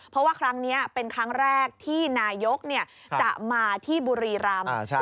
เพราะว่าครั้งนี้เป็นครั้งแรกที่นายกจะมาที่บุรีรำ